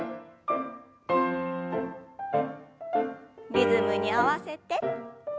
リズムに合わせて。